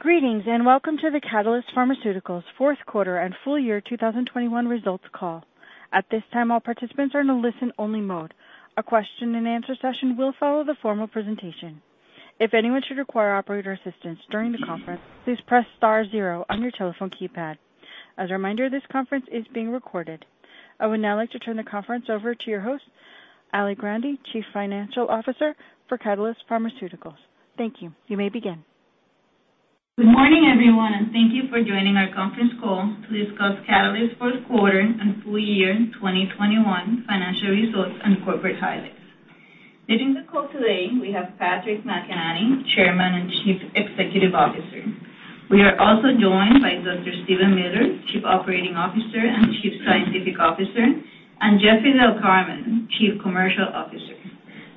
Greetings, and welcome to the Catalyst Pharmaceuticals fourth quarter and full year 2021 results call. At this time, all participants are in a listen-only mode. A question-and-answer session will follow the formal presentation. If anyone should require operator assistance during the conference, please press star zero on your telephone keypad. As a reminder, this conference is being recorded. I would now like to turn the conference over to your host, Alicia Grande, Chief Financial Officer for Catalyst Pharmaceuticals. Thank you. You may begin. Good morning, everyone, and thank you for joining our conference call to discuss Catalyst fourth quarter and full year 2021 financial results and corporate highlights. Leading the call today we have Patrick McEnany, Chairman and Chief Executive Officer. We are also joined by Dr. Steven R. Miller, Chief Operating Officer and Chief Scientific Officer, and Jeffrey Del Carmen, Chief Commercial Officer.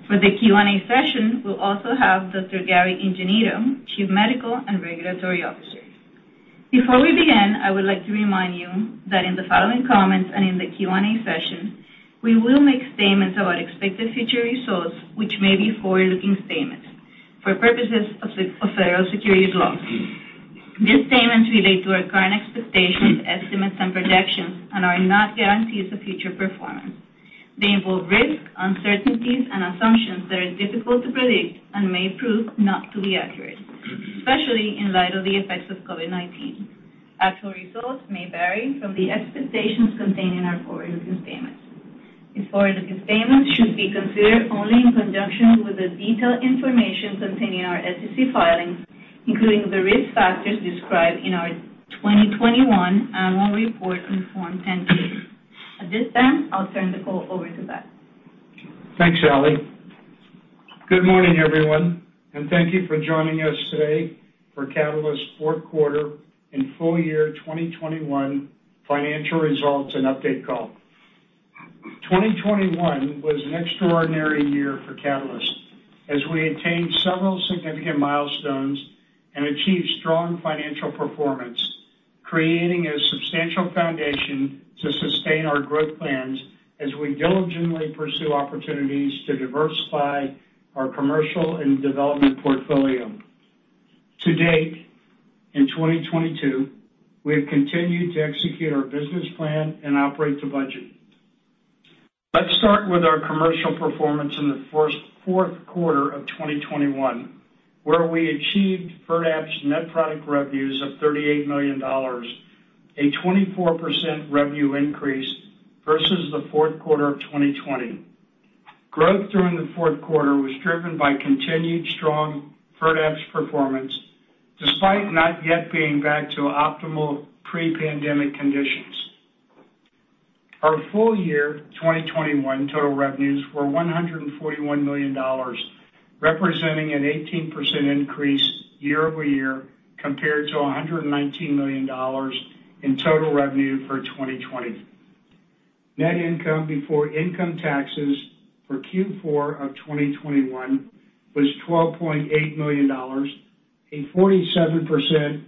For the Q&A session, we'll also have Dr. Gary Ingenito, Chief Medical and Regulatory Officer. Before we begin, I would like to remind you that in the following comments and in the Q&A session, we will make statements about expected future results, which may be forward-looking statements for purposes of federal securities laws. These statements relate to our current expectations, estimates, and projections and are not guarantees of future performance. They involve risks, uncertainties, and assumptions that are difficult to predict and may prove not to be accurate, especially in light of the effects of COVID-19. Actual results may vary from the expectations contained in our forward-looking statements. These forward-looking statements should be considered only in conjunction with the detailed information contained in our SEC filings, including the risk factors described in our 2021 annual report and Form 10-K. At this time, I'll turn the call over to Pat. Thanks, Ali. Good morning, everyone, and thank you for joining us today for Catalyst fourth quarter and full year 2021 financial results and update call. 2021 was an extraordinary year for Catalyst as we attained several significant milestones and achieved strong financial performance, creating a substantial foundation to sustain our growth plans as we diligently pursue opportunities to diversify our commercial and development portfolio. To date, in 2022, we have continued to execute our business plan and operate to budget. Let's start with our commercial performance in the fourth quarter of 2021, where we achieved Firdapse net product revenues of $38 million, a 24% revenue increase versus the fourth quarter of 2020. Growth during the fourth quarter was driven by continued strong Firdapse performance, despite not yet being back to optimal pre-pandemic conditions. Our full year 2021 total revenues were $141 million, representing an 18% increase year-over-year compared to $119 million in total revenue for 2020. Net income before income taxes for Q4 of 2021 was $12.8 million, a 47%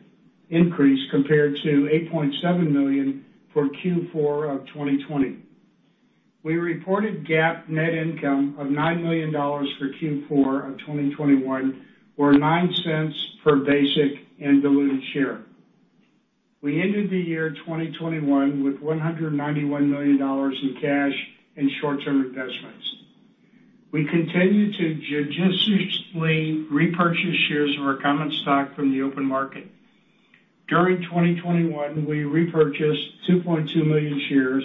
increase compared to $8.7 million for Q4 of 2020. We reported GAAP net income of $9 million for Q4 of 2021, or $0.09 per basic and diluted share. We ended the year 2021 with $191 million in cash and short-term investments. We continue to judiciously repurchase shares of our common stock from the open market. During 2021, we repurchased 2.2 million shares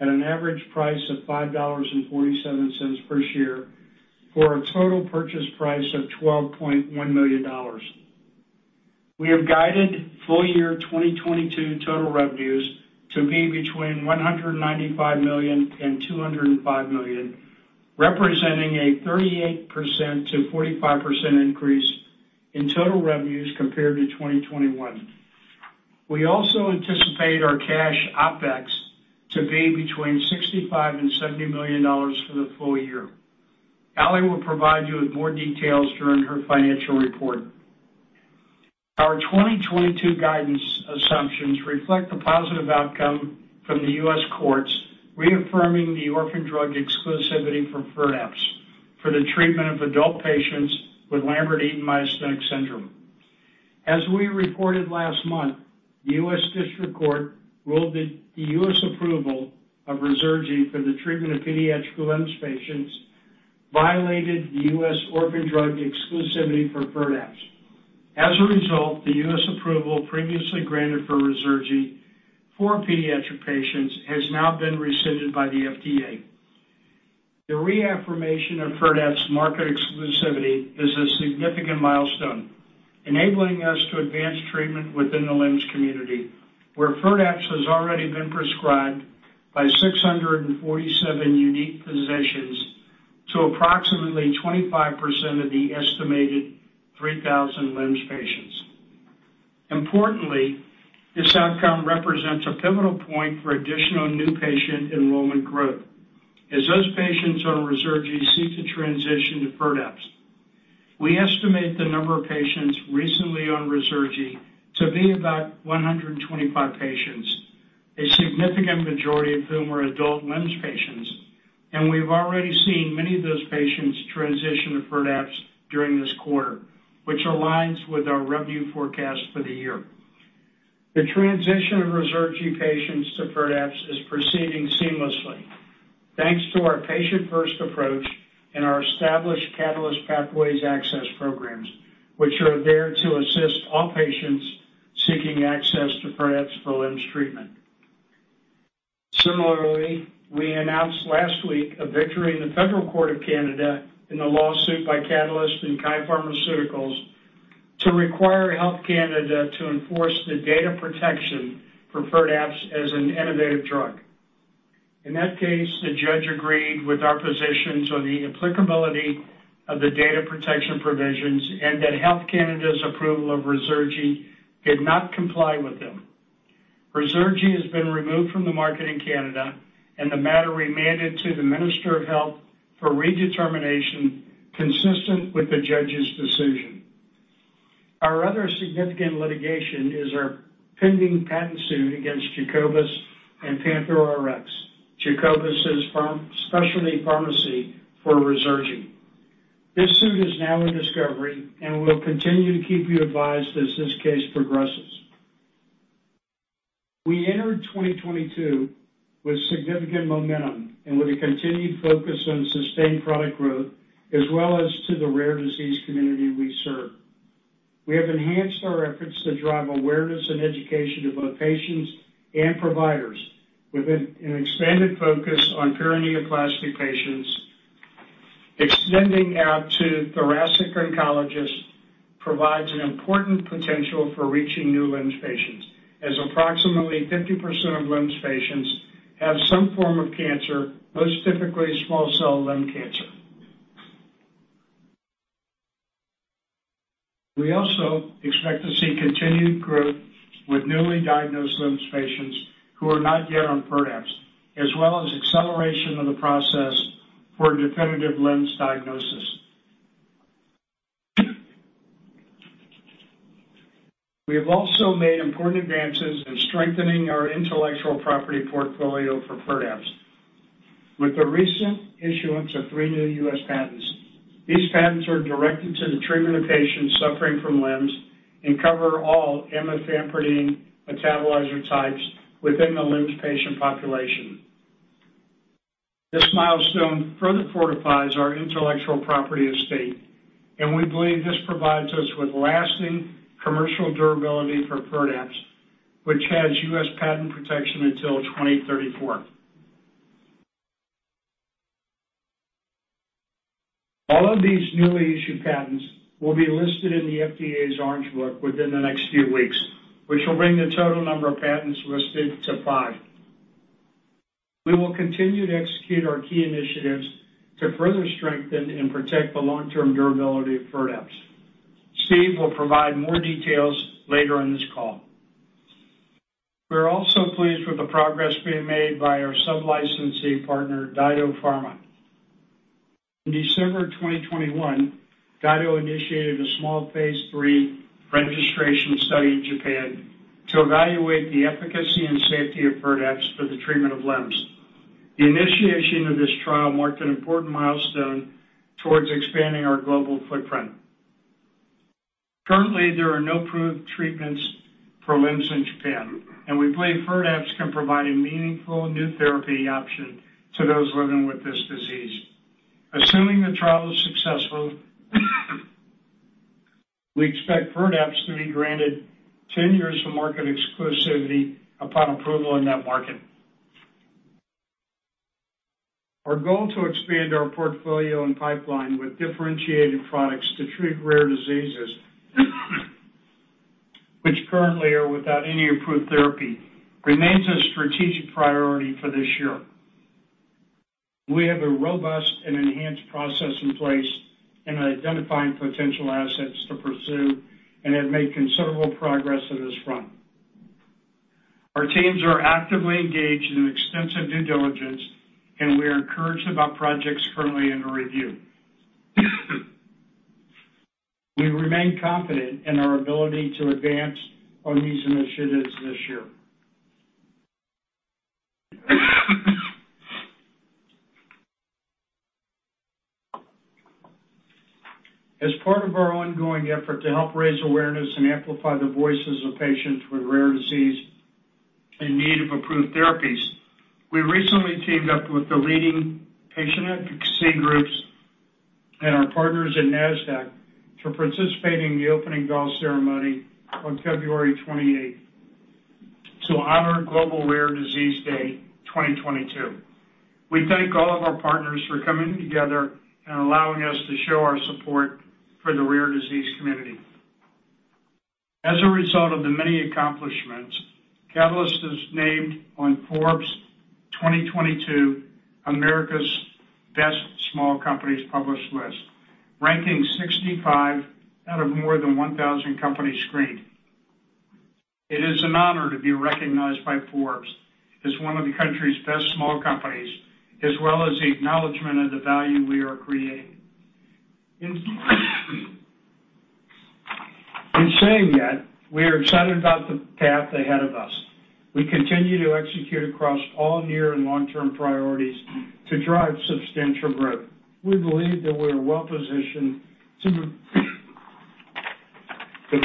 at an average price of $5.47 per share for a total purchase price of $12.1 million. We have guided full year 2022 total revenues to be between $195 million and $205 million, representing a 38%-45% increase in total revenues compared to 2021. We also anticipate our cash OpEx to be between $65 million and $70 million for the full year. Ali will provide you with more details during her financial report. Our 2022 guidance assumptions reflect the positive outcome from the U.S. courts reaffirming the orphan drug exclusivity for Firdapse for the treatment of adult patients with Lambert-Eaton myasthenic syndrome. As we reported last month, the U.S. District Court ruled that the U.S. approval of Ruzurgi for the treatment of pediatric LEMS patients violated the U.S. orphan drug exclusivity for Firdapse. As a result, the U.S. approval previously granted for Ruzurgi for pediatric patients has now been rescinded by the FDA. The reaffirmation of Firdapse market exclusivity is a significant milestone, enabling us to advance treatment within the LEMS community, where Firdapse has already been prescribed by 647 unique physicians to approximately 25% of the estimated 3,000 LEMS patients. Importantly, this outcome represents a pivotal point for additional new patient enrollment growth as those patients on Ruzurgi seek to transition to Firdapse. We estimate the number of patients recently on Ruzurgi to be about 125 patients, a significant majority of whom are adult LEMS patients, and we've already seen many of those patients transition to Firdapse during this quarter, which aligns with our revenue forecast for the year. The transition of Ruzurgi patients to Firdapse is proceeding seamlessly thanks to our patient-first approach and our established Catalyst Pathways access programs, which are there to assist all patients seeking access to Firdapse for LEMS treatment. Similarly, we announced last week a victory in the Federal Court of Canada in the lawsuit by Catalyst and KYE Pharmaceuticals to require Health Canada to enforce the data protection for Firdapse as an innovative drug. In that case, the judge agreed with our positions on the applicability of the data protection provisions and that Health Canada's approval of Ruzurgi did not comply with them. Ruzurgi has been removed from the market in Canada, and the matter remanded to the Minister of Health for redetermination consistent with the judge's decision. Our other significant litigation is our pending patent suit against Jacobus and PANTHERx Rare, a specialty pharmacy for Ruzurgi. This suit is now in discovery, and we'll continue to keep you advised as this case progresses. We entered 2022 with significant momentum and with a continued focus on sustained product growth as well as to the rare disease community we serve. We have enhanced our efforts to drive awareness and education to both patients and providers with an expanded focus on paraneoplastic patients. Extending out to thoracic oncologists provides an important potential for reaching new LEMS patients, as approximately 50% of LEMS patients have some form of cancer, most typically small cell lung cancer. We also expect to see continued growth with newly diagnosed LEMS patients who are not yet on Firdapse, as well as acceleration of the process for a definitive LEMS diagnosis. We have also made important advances in strengthening our intellectual property portfolio for Firdapse. With the recent issuance of three new U.S. patents, these patents are directed to the treatment of patients suffering from LEMS and cover all amifampridine metabolizer types within the LEMS patient population. This milestone further fortifies our intellectual property estate, and we believe this provides us with lasting commercial durability for Firdapse, which has U.S. patent protection until 2034. All of these newly issued patents will be listed in the FDA's Orange Book within the next few weeks, which will bring the total number of patents listed to five. We will continue to execute our key initiatives to further strengthen and protect the long-term durability of Firdapse. Steve will provide more details later in this call. We're also pleased with the progress being made by our sub-licensee partner, Daito Pharma. In December 2021, Daito initiated a small phase III registration study in Japan to evaluate the efficacy and safety of Firdapse for the treatment of LEMS. The initiation of this trial marked an important milestone towards expanding our global footprint. Currently, there are no approved treatments for LEMS in Japan, and we believe Firdapse can provide a meaningful new therapy option to those living with this disease. Assuming the trial is successful, we expect Firdapse to be granted 10 years of market exclusivity upon approval in that market. Our goal to expand our portfolio and pipeline with differentiated products to treat rare diseases, which currently are without any approved therapy, remains a strategic priority for this year. We have a robust and enhanced process in place in identifying potential assets to pursue and have made considerable progress on this front. Our teams are actively engaged in extensive due diligence, and we are encouraged about projects currently under review. We remain confident in our ability to advance on these initiatives this year. As part of our ongoing effort to help raise awareness and amplify the voices of patients with rare disease in need of approved therapies, we recently teamed up with the leading patient advocacy groups and our partners at Nasdaq to participate in the opening bell ceremony on February 28, 2022 to honor Global Rare Disease Day 2022. We thank all of our partners for coming together and allowing us to show our support for the rare disease community. As a result of the many accomplishments, Catalyst is named on Forbes 2022 America's Best Small Companies published list, ranking 65 out of more than 1,000 companies screened. It is an honor to be recognized by Forbes as one of the country's best small companies, as well as the acknowledgement of the value we are creating. In saying that, we are excited about the path ahead of us. We continue to execute across all near and long-term priorities to drive substantial growth. We believe that we are well-positioned to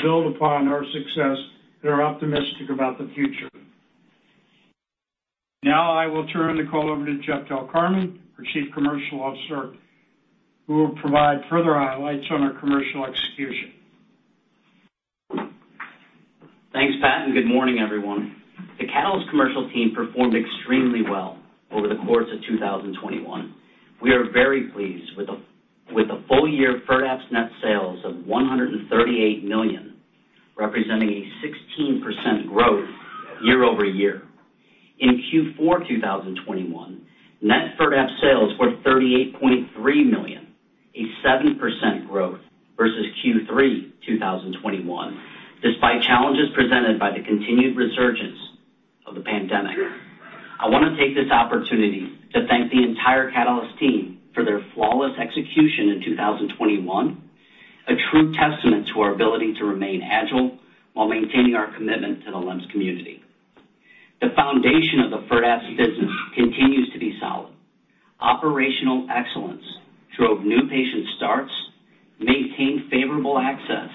build upon our success and are optimistic about the future. Now I will turn the call over to Jeffrey Del Carmen, our Chief Commercial Officer, who will provide further highlights on our commercial execution. Thanks, Pat, and good morning, everyone. The Catalyst commercial team performed extremely well over the course of 2021. We are very pleased with the full-year Firdapse net sales of $138 million, representing a 16% growth year-over-year. In Q4 2021, net Firdapse sales were $38.3 million, a 7% growth versus Q3 2021, despite challenges presented by the continued resurgence of the pandemic. I wanna take this opportunity to thank the entire Catalyst team for their flawless execution in 2021, a true testament to our ability to remain agile while maintaining our commitment to the LEMS community. The foundation of the Firdapse business continues to be solid. Operational excellence drove new patient starts, maintained favorable access,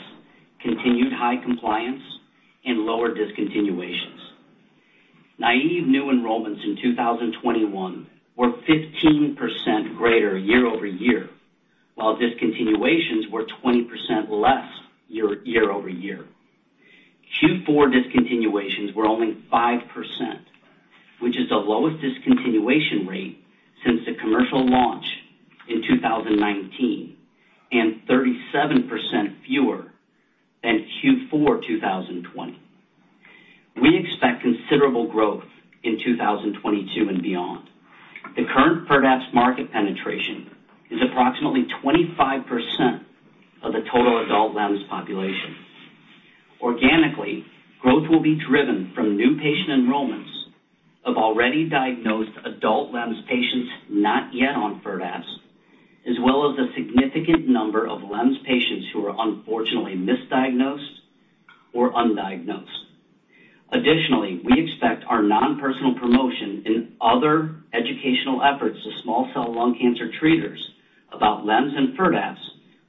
continued high compliance, and lower discontinuations. Net new enrollments in 2021 were 15% greater year-over-year, while discontinuations were 20% less year-over-year. Q4 discontinuations were only 5%, which is the lowest discontinuation rate since the commercial launch in 2019, and 37% fewer than Q4 2020. We expect considerable growth in 2022 and beyond. The current Firdapse market penetration is approximately 25% of the total adult LEMS population. Organically, growth will be driven from new patient enrollments of already diagnosed adult LEMS patients not yet on Firdapse, as well as a significant number of LEMS patients who are unfortunately misdiagnosed or undiagnosed. Additionally, we expect our non-personal promotion in other educational efforts to small cell lung cancer treaters about LEMS and Firdapse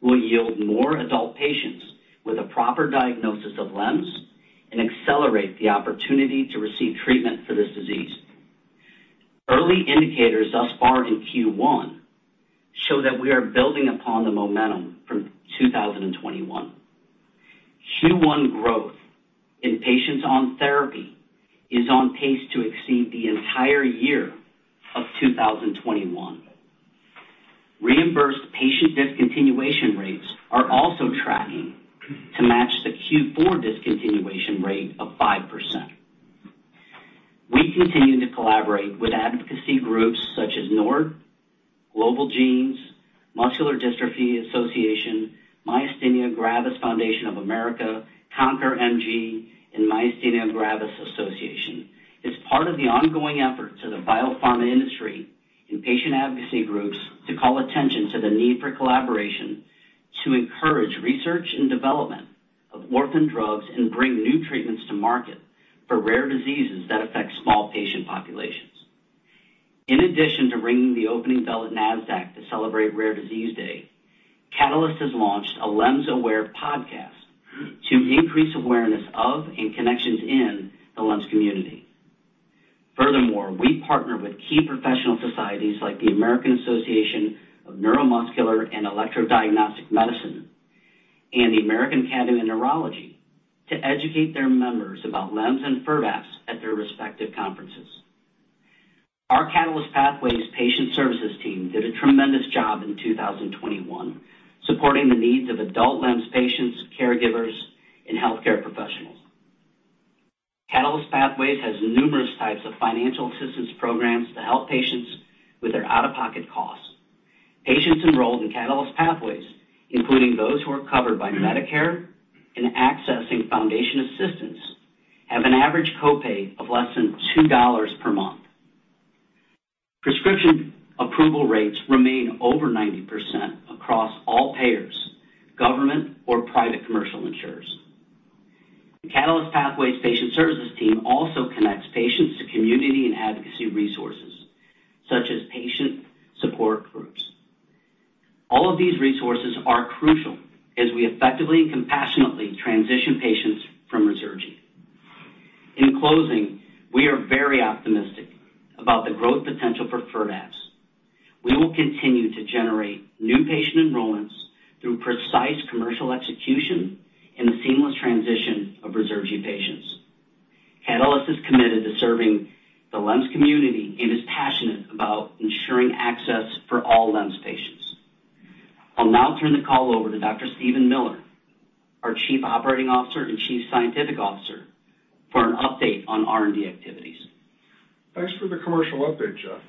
will yield more adult patients with a proper diagnosis of LEMS and accelerate the opportunity to receive treatment for this disease. Early indicators thus far in Q1 show that we are building upon the momentum from 2021. Q1 growth in patients on therapy is on pace to exceed the entire year of 2021. Reimbursed patient discontinuation rates are also tracking to match the Q4 discontinuation rate of 5%. We continue to collaborate with advocacy groups such as NORD, Global Genes, Muscular Dystrophy Association, Myasthenia Gravis Foundation of America, Conquer MG and Myasthenia Gravis Association. It's part of the ongoing efforts of the biopharma industry and patient advocacy groups to call attention to the need for collaboration to encourage research and development of orphan drugs and bring new treatments to market for rare diseases that affect small patient populations. In addition to ringing the opening bell at Nasdaq to celebrate Rare Disease Day, Catalyst has launched a LEMS Aware podcast to increase awareness of and connections in the LEMS community. Furthermore, we partner with key professional societies like the American Association of Neuromuscular & Electrodiagnostic Medicine and the American Academy of Neurology to educate their members about LEMS and Firdapse at their respective conferences. Our Catalyst Pathways patient services team did a tremendous job in 2021, supporting the needs of adult LEMS patients, caregivers, and healthcare professionals. Catalyst Pathways has numerous types of financial assistance programs to help patients with their out-of-pocket costs. Patients enrolled in Catalyst Pathways, including those who are covered by Medicare and accessing foundation assistance, have an average copay of less than $2 per month. Prescription approval rates remain over 90% across all payers, government or private commercial insurers. The Catalyst Pathways patient services team also connects patients to community and advocacy resources, such as patient support groups. All of these resources are crucial as we effectively and compassionately transition patients from Ruzurgi. In closing, we are very optimistic about the growth potential for Firdapse. We will continue to generate new patient enrollments through precise commercial execution and the seamless transition of Ruzurgi patients. Catalyst is committed to serving the LEMS community and is passionate about ensuring access for all LEMS patients. I'll now turn the call over to Dr. Steven Miller, our Chief Operating Officer and Chief Scientific Officer, for an update on R&D activities. Thanks for the commercial update, Jeff.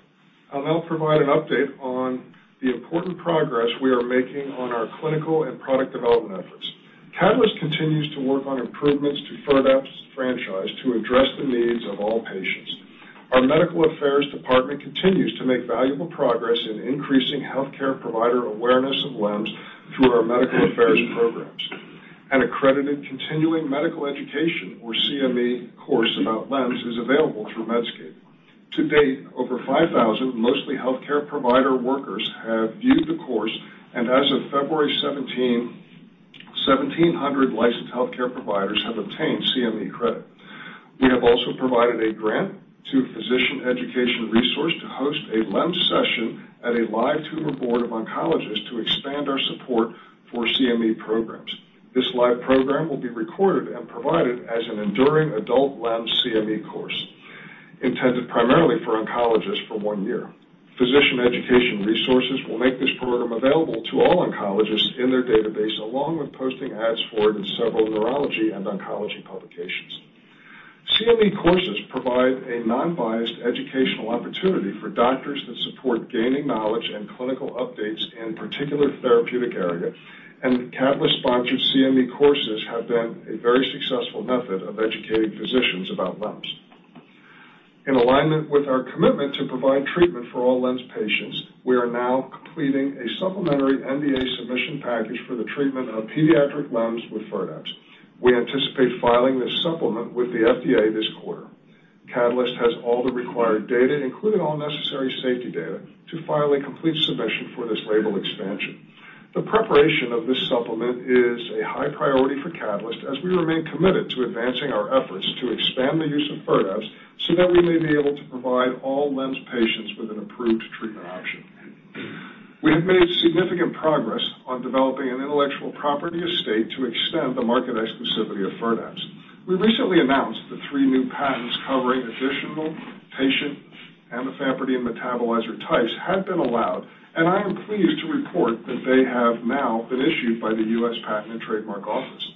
I'll now provide an update on the important progress we are making on our clinical and product development efforts. Catalyst continues to work on improvements to Firdapse's franchise to address the needs of all patients. Our medical affairs department continues to make valuable progress in increasing healthcare provider awareness of LEMS through our medical affairs programs. An accredited continuing medical education, or CME course about LEMS is available through Medscape. To date, over 5,000, mostly healthcare provider workers, have viewed the course, and as of February 17, 1,700 licensed healthcare providers have obtained CME credit. We have also provided a grant to Physicians' Education Resource to host a LEMS session at a live tumor board of oncologists to expand our support for CME programs. This live program will be recorded and provided as an enduring adult LEMS CME course intended primarily for oncologists for one year. Physicians' Education Resource will make this program available to all oncologists in their database, along with posting ads for it in several neurology and oncology publications. CME courses provide a non-biased educational opportunity for doctors that support gaining knowledge and clinical updates in a particular therapeutic area, and Catalyst-sponsored CME courses have been a very successful method of educating physicians about LEMS. In alignment with our commitment to provide treatment for all LEMS patients, we are now completing a supplementary NDA submission package for the treatment of pediatric LEMS with Firdapse. We anticipate filing this supplement with the FDA this quarter. Catalyst has all the required data, including all necessary safety data, to file a complete submission for this label expansion. The preparation of this supplement is a high priority for Catalyst as we remain committed to advancing our efforts to expand the use of Firdapse so that we may be able to provide all LEMS patients with an approved treatment option. We have made significant progress on developing an intellectual property estate to extend the market exclusivity of Firdapse. We recently announced that three new patents covering additional patient amifampridine metabolizer types had been allowed, and I am pleased to report that they have now been issued by the U.S. Patent and Trademark Office.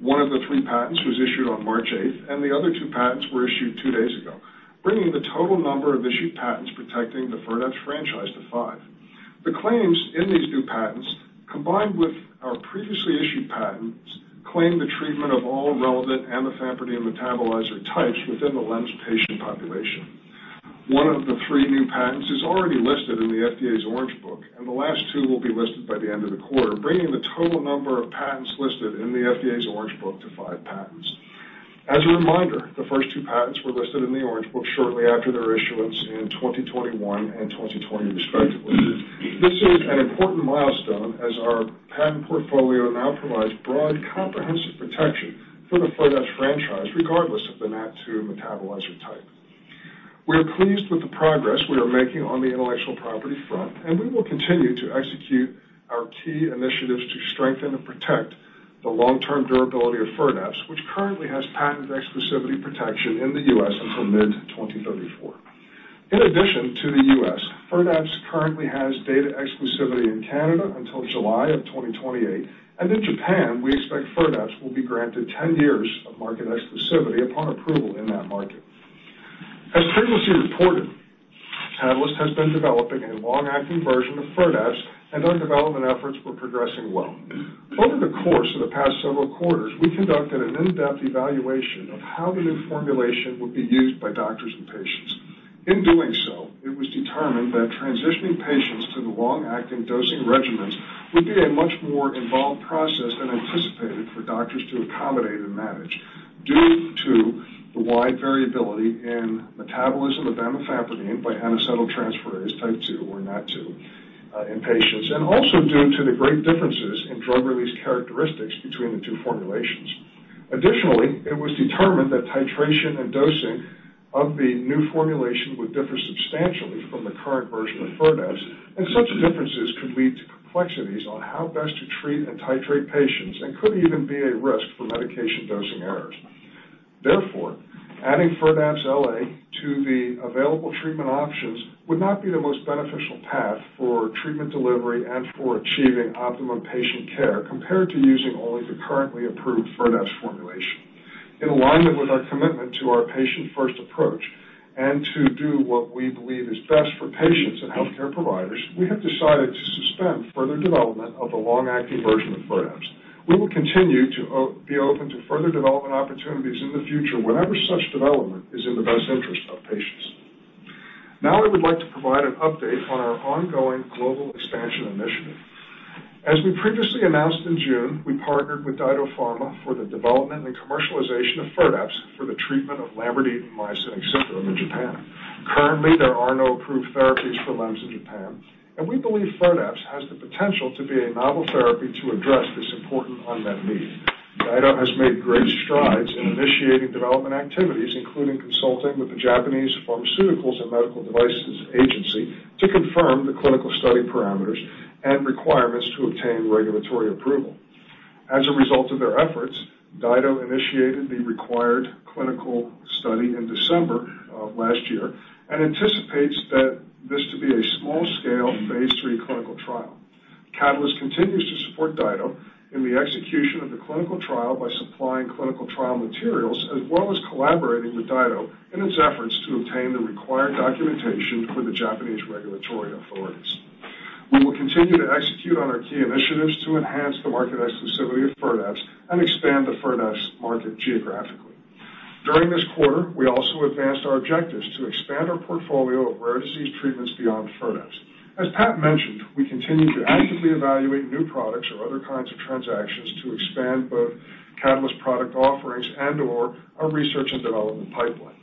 One of the three patents was issued on March eighth, and the other two patents were issued two days ago, bringing the total number of issued patents protecting the Firdapse franchise to five. The claims in these new patents, combined with our previously issued patents, claim the treatment of all relevant amifampridine metabolizer types within the LEMS patient population. One of the three new patents is already listed in the FDA's Orange Book, and the last two will be listed by the end of the quarter, bringing the total number of patents listed in the FDA's Orange Book to five patents. As a reminder, the first two patents were listed in the Orange Book shortly after their issuance in 2021 and 2020, respectively. This is an important milestone as our patent portfolio now provides broad, comprehensive protection for the Firdapse franchise, regardless of the NAT2 metabolizer type. We are pleased with the progress we are making on the intellectual property front, and we will continue to execute our key initiatives to strengthen and protect the long-term durability of Firdapse, which currently has patent exclusivity protection in the U.S. until mid-2034. In addition to the U.S., Firdapse currently has data exclusivity in Canada until July of 2028, and in Japan, we expect Firdapse will be granted ten years of market exclusivity upon approval in that market. As previously reported, Catalyst has been developing a long-acting version of Firdapse, and our development efforts were progressing well. Over the course of the past several quarters, we conducted an in-depth evaluation of how the new formulation would be used by doctors and patients. In doing so, it was determined that transitioning patients to the long-acting dosing regimens would be a much more involved process than anticipated for doctors to accommodate and manage due to the wide variability in metabolism of amifampridine by N-acetyltransferase type two or NAT2 in patients, and also due to the great differences in drug release characteristics between the two formulations. Additionally, it was determined that titration and dosing of the new formulation would differ substantially from the current version of Firdapse, and such differences could lead to complexities on how best to treat and titrate patients and could even be a risk for medication dosing errors. Therefore, adding Firdapse LA to the available treatment options would not be the most beneficial path for treatment delivery and for achieving optimum patient care compared to using only the currently approved Firdapse formulation. In alignment with our commitment to our patient-first approach and to do what we believe is best for patients and healthcare providers, we have decided to suspend further development of the long-acting version of Firdapse. We will continue to be open to further development opportunities in the future whenever such development is in the best interest of patients. Now I would like to provide an update on our ongoing global expansion initiative. As we previously announced in June, we partnered with Daito Pharmaceutical for the development and commercialization of Firdapse for the treatment of Lambert-Eaton myasthenic syndrome in Japan. Currently, there are no approved therapies for LEMS in Japan, and we believe Firdapse has the potential to be a novel therapy to address this important unmet need. Daito Pharmaceutical has made great strides in initiating development activities, including consulting with the Pharmaceuticals and Medical Devices Agency to confirm the clinical study parameters and requirements to obtain regulatory approval. As a result of their efforts, Daito Pharmaceutical initiated the required clinical study in December of last year and anticipates that this to be a small-scale phase III clinical trial. Catalyst continues to support Daito in the execution of the clinical trial by supplying clinical trial materials, as well as collaborating with Daito in its efforts to obtain the required documentation for the Japanese regulatory authorities. We will continue to execute on our key initiatives to enhance the market exclusivity of Firdapse and expand the Firdapse market geographically. During this quarter, we also advanced our objectives to expand our portfolio of rare disease treatments beyond Firdapse. As Pat mentioned, we continue to actively evaluate new products or other kinds of transactions to expand both Catalyst product offerings and/or our research and development pipeline.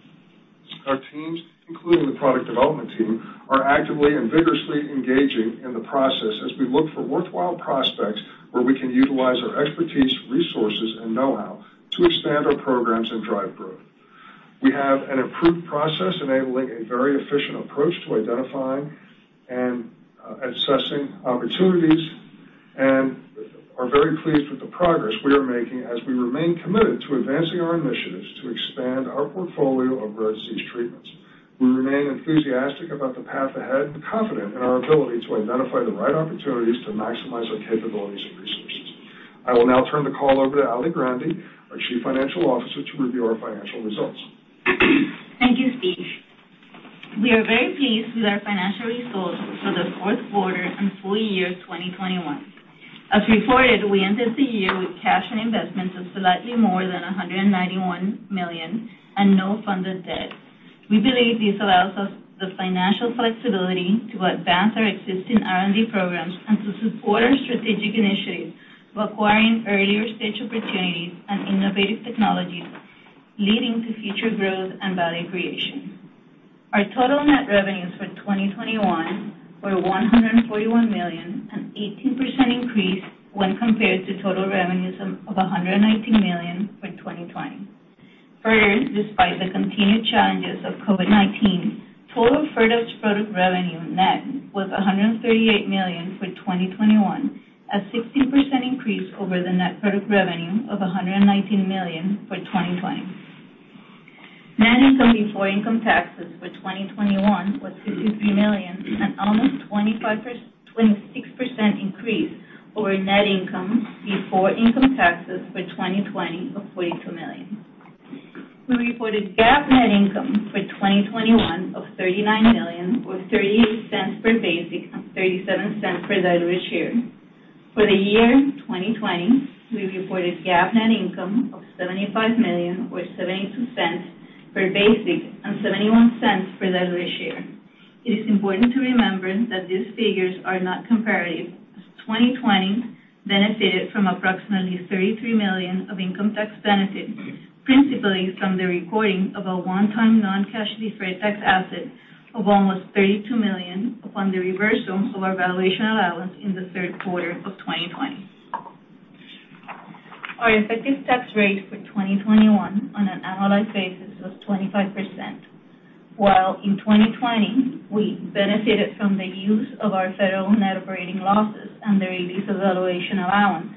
Our teams, including the product development team, are actively and vigorously engaging in the process as we look for worthwhile prospects where we can utilize our expertise, resources, and know-how to expand our programs and drive growth. We have an improved process enabling a very efficient approach to identifying and assessing opportunities and are very pleased with the progress we are making as we remain committed to advancing our initiatives to expand our portfolio of rare disease treatments. We remain enthusiastic about the path ahead and confident in our ability to identify the right opportunities to maximize our capabilities and resources. I will now turn the call over to Alicia Grande, our Chief Financial Officer, to review our financial results. Thank you, Steve. We are very pleased with our financial results for the fourth quarter and full year 2021. As reported, we ended the year with cash and investments of slightly more than $191 million and no funded debt. We believe this allows us the financial flexibility to advance our existing R&D programs and to support our strategic initiatives of acquiring earlier-stage opportunities and innovative technologies, leading to future growth and value creation. Our total net revenues for 2021 were $141 million, an 18% increase when compared to total revenues of a hundred and $119 million for 2020. Further, despite the continued challenges of COVID-19, total Firdapse product revenue net was $138 million for 2021, a 16% increase over the net product revenue of $119 million for 2020. Net income before income taxes for 2021 was $53 million, an almost 26% increase over net income before income taxes for 2020 of $42 million. We reported GAAP net income for 2021 of $39 million, or $0.38 per basic and $0.37 per diluted share. For the year 2020, we reported GAAP net income of $75 million or $0.72 per basic and $0.71 per diluted share. It is important to remember that these figures are not comparative, as 2020 benefited from approximately $33 million of income tax benefits, principally from the recording of a one-time non-cash deferred tax asset of almost $32 million upon the reversal of our valuation allowance in the third quarter of 2020. Our effective tax rate for 2021 on an annualized basis was 25%, while in 2020, we benefited from the use of our federal net operating losses and the release of valuation allowance.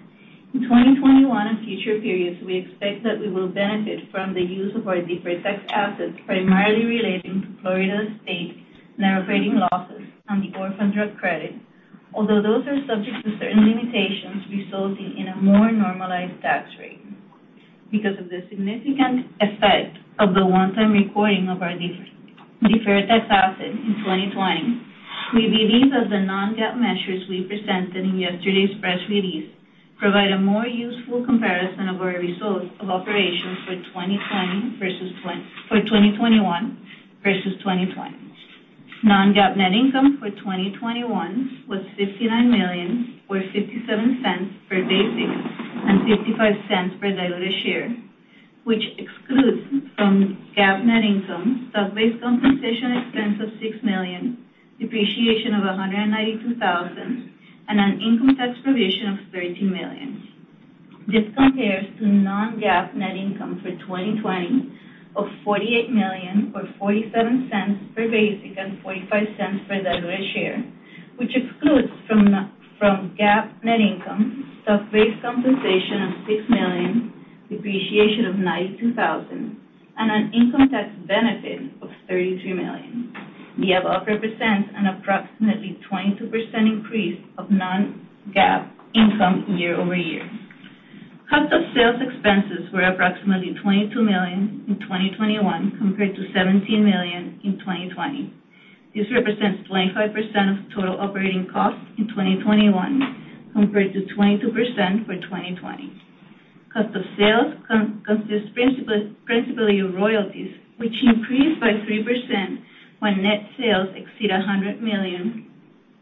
In 2021 and future periods, we expect that we will benefit from the use of our deferred tax assets, primarily relating to Florida State net operating losses on the orphan drug credit, although those are subject to certain limitations resulting in a more normalized tax rate. Because of the significant effect of the one-time recording of our deferred tax asset in 2020, we believe that the non-GAAP measures we presented in yesterday's press release provide a more useful comparison of our results of operations for 2021 versus 2020. Non-GAAP net income for 2021 was $59 million or $0.57 per basic and $0.55 per diluted share, which excludes from GAAP net income stock-based compensation expense of $6 million, depreciation of $192,000, and an income tax provision of $32 million. This compares to non-GAAP net income for 2020 of $48 million or $0.47 per basic and $0.45 per diluted share, which excludes from GAAP net income stock-based compensation of $6 million, depreciation of $92,000, and an income tax benefit of $33 million. The above represents an approximately 22% increase of non-GAAP income year-over-year. Cost of sales expenses were approximately $22 million in 2021, compared to $17 million in 2020. This represents 25% of total operating costs in 2021, compared to 22% for 2020. Cost of sales consists principally of royalties, which increase by 3% when net sales exceed $100 million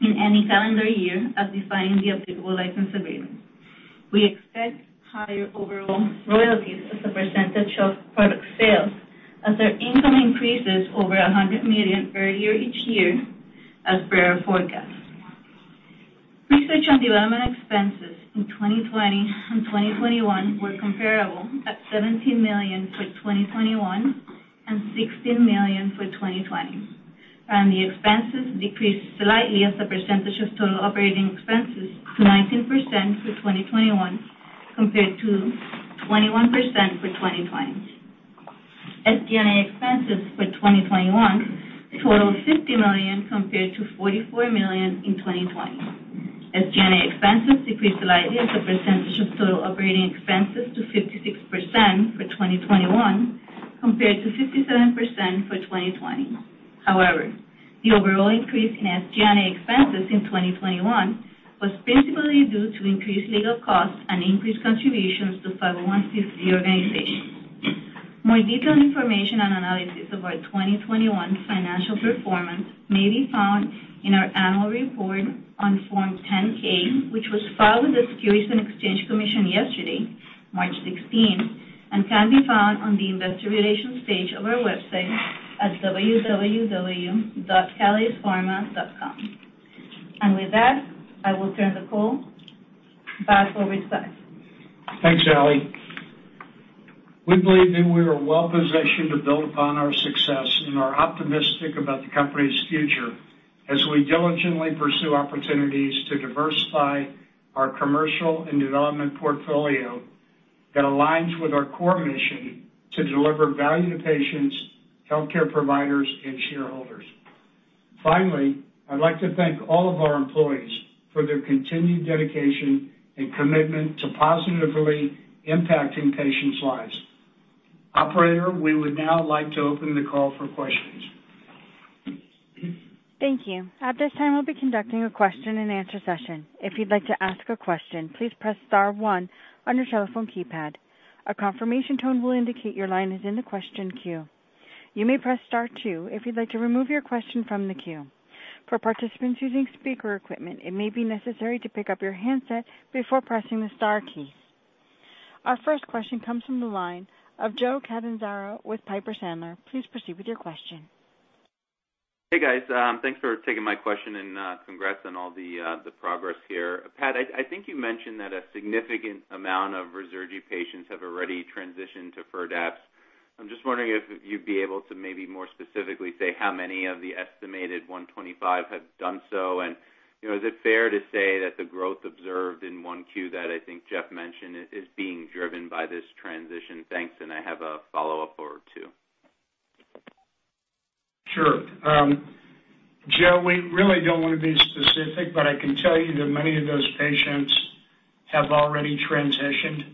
in any calendar year as defined in the applicable license agreement. We expect higher overall royalties as a percentage of product sales as their income increases over $100 million per year each year as per our forecast. Research and development expenses in 2020 and 2021 were comparable at $17 million for 2021 and $16 million for 2020, and the expenses decreased slightly as a percentage of total operating expenses to 19% for 2021, compared to 21% for 2020. SG&A expenses for 2021 totaled $50 million, compared to $44 million in 2020. SG&A expenses decreased slightly as a percentage of total operating expenses to 56% for 2021 compared to 57% for 2020. However, the overall increase in SG&A expenses in 2021 was principally due to increased legal costs and increased contributions to 560 organizations. More detailed information and analysis of our 2021 financial performance may be found in our annual report on Form 10-K, which was filed with the Securities and Exchange Commission yesterday, March 16, and can be found on the investor relations page of our website at www.catalystpharma.com. With that, I will turn the call back over to Pat. Thanks, Allie. We believe that we are well-positioned to build upon our success and are optimistic about the company's future as we diligently pursue opportunities to diversify our commercial and development portfolio that aligns with our core mission to deliver value to patients, healthcare providers, and shareholders. Finally, I'd like to thank all of our employees for their continued dedication and commitment to positively impacting patients' lives. Operator, we would now like to open the call for questions. Thank you. At this time, we'll be conducting a question-and-answer session. If you'd like to ask a question, please press star one on your telephone keypad. A confirmation tone will indicate your line is in the question queue. You may press star two if you'd like to remove your question from the queue. For participants using speaker equipment, it may be necessary to pick up your handset before pressing the star key. Our first question comes from the line of Joseph Catanzaro with Piper Sandler. Please proceed with your question. Hey, guys. Thanks for taking my question and congrats on all the progress here. Pat, I think you mentioned that a significant amount of Ruzurgi patients have already transitioned to Firdapse. I'm just wondering if you'd be able to maybe more specifically say how many of the estimated 125 have done so. You know, is it fair to say that the growth observed in Q1 that I think Jeff mentioned is being driven by this transition? Thanks, and I have a follow-up for you too. Sure. Joe, we really don't wanna be specific, but I can tell you that many of those patients have already transitioned,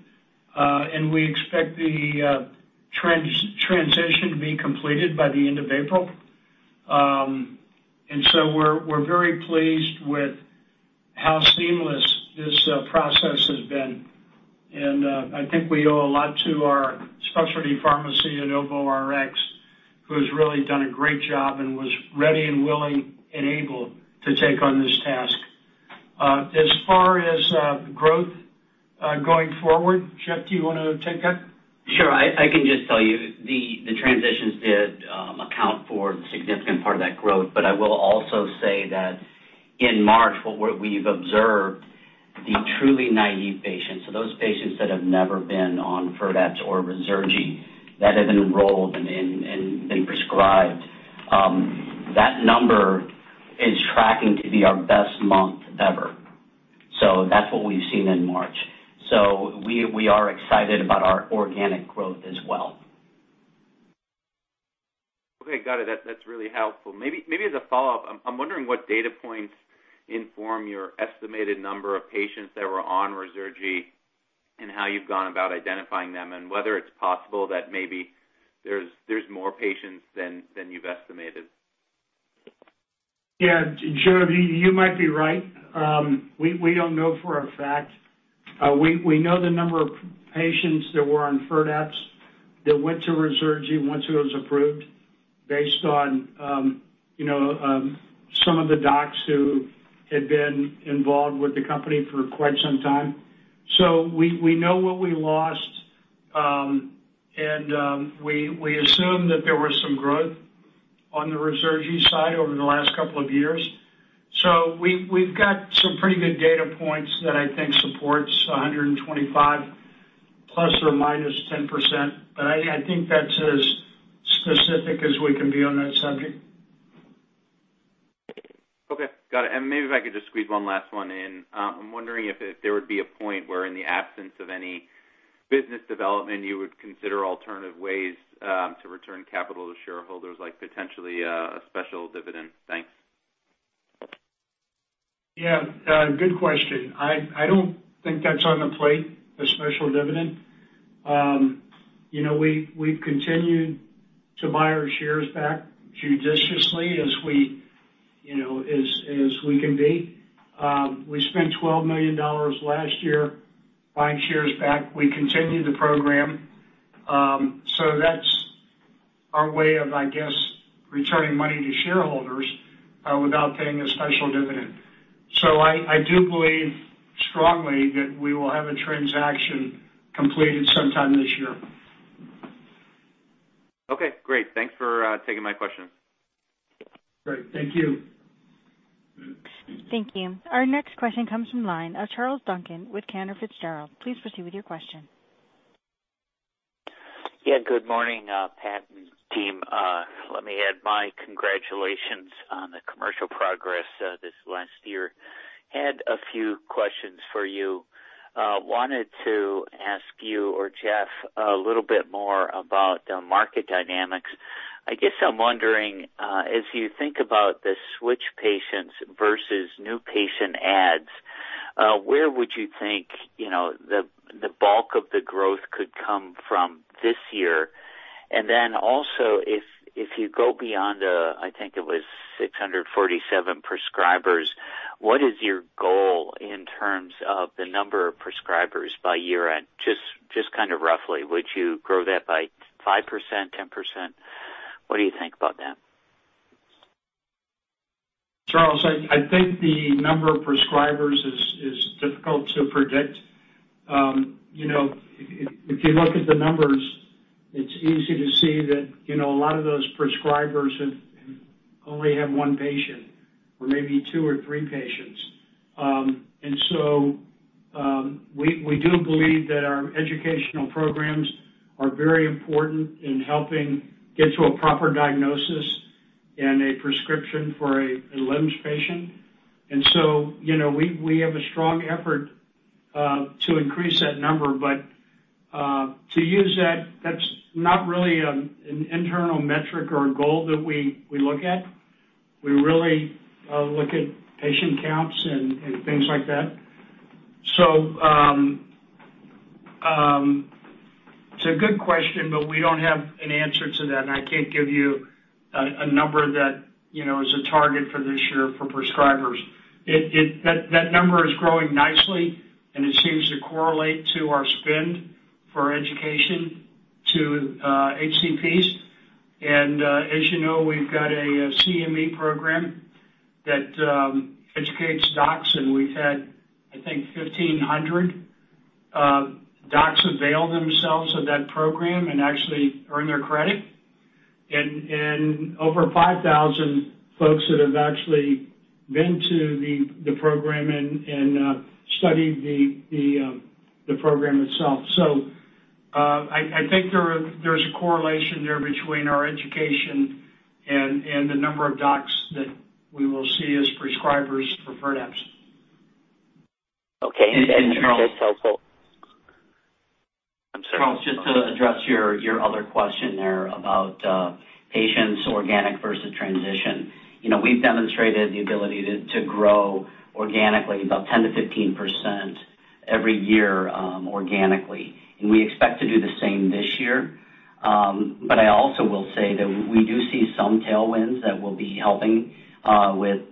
and we expect the transition to be completed by the end of April. We're very pleased with how seamless this process has been. I think we owe a lot to our specialty pharmacy at OVO Rx, who has really done a great job and was ready and willing and able to take on this task. As far as growth going forward, Jeff, do you wanna take that? Sure. I can just tell you the transitions did account for a significant part of that growth. I will also say that in March, we've observed the truly naive patients, so those patients that have never been on Firdapse or Ruzurgi that have been enrolled and been prescribed, that number is tracking to be our best month ever. That's what we've seen in March. We are excited about our organic growth as well. Okay. Got it. That's really helpful. Maybe as a follow-up, I'm wondering what data points inform your estimated number of patients that were on Ruzurgi and how you've gone about identifying them, and whether it's possible that maybe there's more patients than you've estimated. Yeah. Joe, you might be right. We don't know for a fact. We know the number of patients that were on Firdapse that went to Ruzurgi once it was approved based on, you know, some of the docs who had been involved with the company for quite some time. We know what we lost, and we assume that there was some growth on the Ruzurgi side over the last couple of years. We've got some pretty good data points that I think supports 125 ± 10%, but I think that's as specific as we can be on that subject. Okay. Got it. Maybe if I could just squeeze one last one in. I'm wondering if there would be a point where in the absence of any business development, you would consider alternative ways to return capital to shareholders, like potentially a special dividend. Thanks. Yeah. Good question. I don't think that's on the plate, a special dividend. You know, we've continued to buy our shares back judiciously as we can be. We spent $12 million last year buying shares back. We continue the program. That's our way of, I guess, returning money to shareholders without paying a special dividend. I do believe strongly that we will have a transaction completed sometime this year. Okay, great. Thanks for taking my question. Great. Thank you. Thank you. Our next question comes from line of Charles Duncan with Cantor Fitzgerald. Please proceed with your question. Yeah, good morning, Pat and team. Let me add my congratulations on the commercial progress this last year. Had a few questions for you. Wanted to ask you or Jeff a little bit more about the market dynamics. I guess I'm wondering, as you think about the switch patients versus new patient adds, where would you think, you know, the bulk of the growth could come from this year? Then also, if you go beyond, I think it was 647 prescribers, what is your goal in terms of the number of prescribers by year-end? Just kind of roughly, would you grow that by 5%, 10%? What do you think about that? Charles, I think the number of prescribers is difficult to predict. You know, if you look at the numbers, it's easy to see that, you know, a lot of those prescribers have only one patient or maybe two or three patients. We do believe that our educational programs are very important in helping get to a proper diagnosis and a prescription for a LEMS patient. You know, we have a strong effort to increase that number. To use that's not really an internal metric or a goal that we look at. We really look at patient counts and things like that. It's a good question, but we don't have an answer to that, and I can't give you a number that, you know, is a target for this year for prescribers. That number is growing nicely, and it seems to correlate to our spend for education to HCPs. As you know, we've got a CME program that educates docs, and we've had, I think 1,500 docs avail themselves of that program and actually earn their credit, and over 5,000 folks that have actually been to the program and studied the program itself. I think there's a correlation there between our education and the number of docs that we will see as prescribers for Firdapse. Okay. Just also- Charles. I'm sorry. Charles, just to address your other question there about patients organic versus transition. You know, we've demonstrated the ability to grow organically about 10%-15% every year, organically. We expect to do the same this year. I also will say that we do see some tailwinds that will be helping with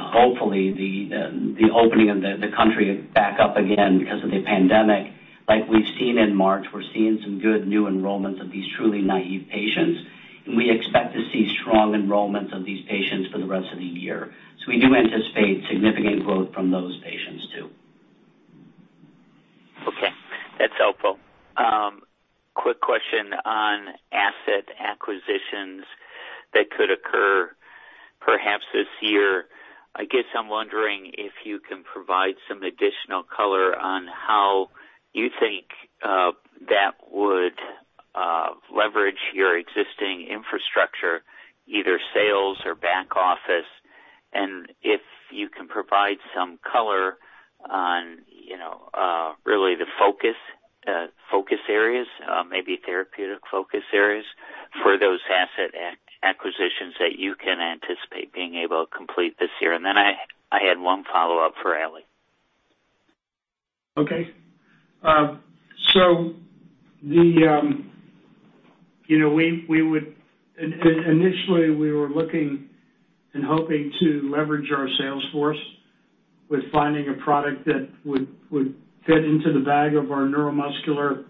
hopefully the opening of the country back up again because of the pandemic. Like we've seen in March, we're seeing some good new enrollments of these truly naive patients. We expect to see strong enrollments of these patients for the rest of the year. We do anticipate significant growth from those patients too. Okay, that's helpful. Quick question on asset acquisitions that could occur perhaps this year. I guess I'm wondering if you can provide some additional color on how you think that would leverage your existing infrastructure, either sales or back office, and if you can provide some color on, you know, really the focus areas, maybe therapeutic focus areas for those asset acquisitions that you can anticipate being able to complete this year. Then I had one follow-up for Ali. So, you know, we would initially be looking and hoping to leverage our sales force with finding a product that would fit into the bag of our neuromuscular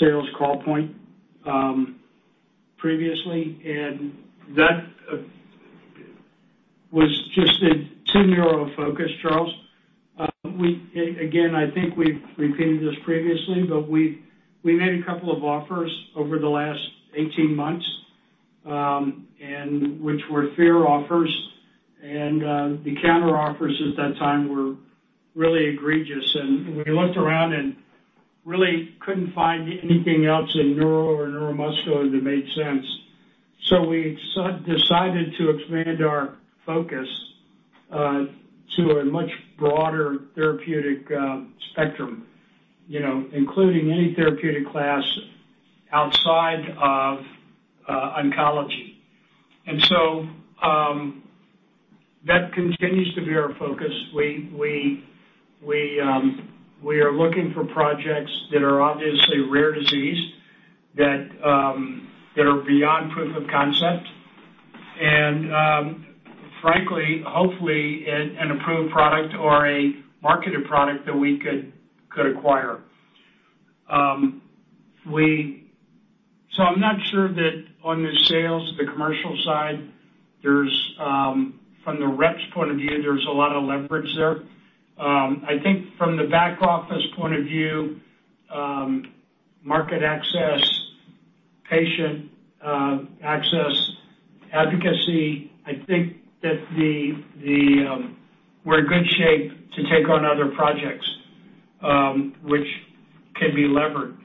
sales call point, previously. That was just too narrow a focus, Charles. Again, I think we've repeated this previously, but we made a couple of offers over the last 18 months, and which were fair offers. The counteroffers at that time were really egregious. We looked around and really couldn't find anything else in neuro or neuromuscular that made sense. We decided to expand our focus to a much broader therapeutic spectrum, you know, including any therapeutic class outside of oncology. That continues to be our focus. We are looking for projects that are obviously rare disease that are beyond proof of concept and, frankly, hopefully, an approved product or a marketed product that we could acquire. I'm not sure that on the sales, the commercial side, from the reps' point of view, there's a lot of leverage there. I think from the back office point of view, market access, patient access, advocacy, I think that we're in good shape to take on other projects, which can be levered.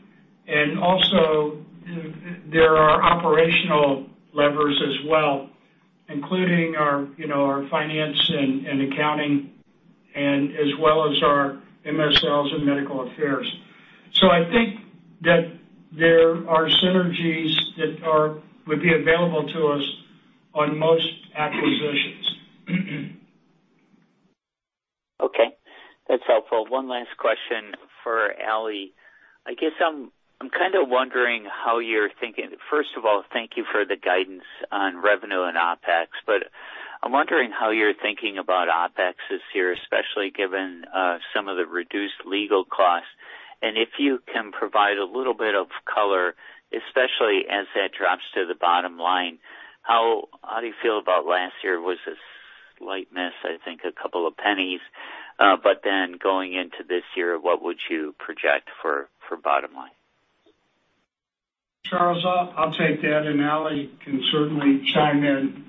There are operational levers as well, including our, you know, our finance and accounting and as well as our MSLs and medical affairs. I think that there are synergies that would be available to us on most acquisitions. Okay, that's helpful. One last question for Ali. I guess I'm kind of wondering how you're thinking. First of all, thank you for the guidance on revenue and OpEx. I'm wondering how you're thinking about OpEx this year, especially given some of the reduced legal costs. If you can provide a little bit of color, especially as that drops to the bottom line, how do you feel about last year? It was a slight miss, I think a couple of pennies. Then going into this year, what would you project for bottom line? Charles, I'll take that, and Ali can certainly chime in.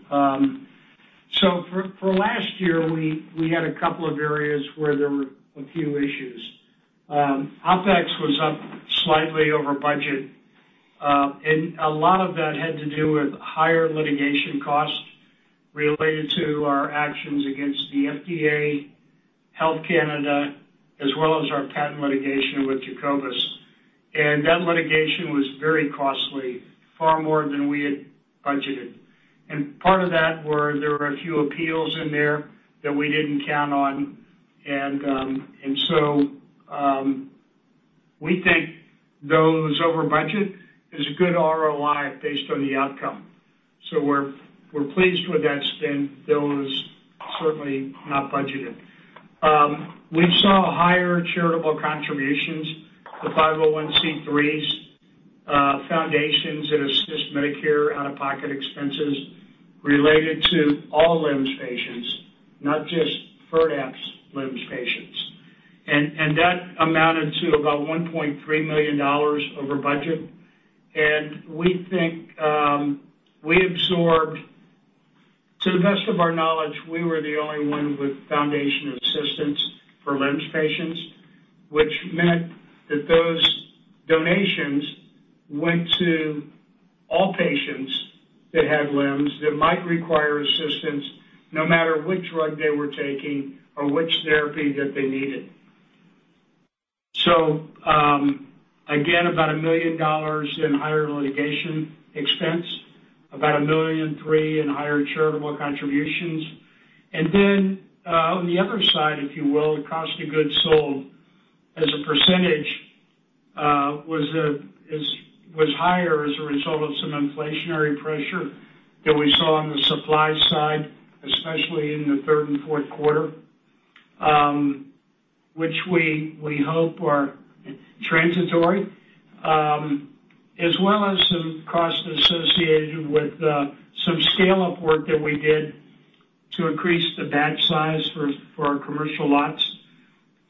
For last year, we had a couple of areas where there were a few issues. OpEx was up slightly over budget, and a lot of that had to do with higher litigation costs related to our actions against the FDA, Health Canada, as well as our patent litigation with Jacobus. That litigation was very costly, far more than we had budgeted. Part of that were a few appeals in there that we didn't count on. We think those over budget is a good ROI based on the outcome. We're pleased with that spend, though it was certainly not budgeted. We saw higher charitable contributions, the 501(c)(3)s, foundations that assist Medicare out-of-pocket expenses related to all LEMS patients, not just Firdapse LEMS patients. That amounted to about $1.3 million over budget. We think, to the best of our knowledge, we were the only one with foundation assistance for LEMS patients, which meant that those donations went to all patients that had LEMS that might require assistance no matter which drug they were taking or which therapy that they needed. Again, about $1 million in higher litigation expense, about $1.3 million in higher charitable contributions. On the other side, if you will, the cost of goods sold as a percentage was higher as a result of some inflationary pressure that we saw on the supply side, especially in the third and fourth quarter, which we hope are transitory, as well as some costs associated with some scale-up work that we did to increase the batch size for our commercial lots.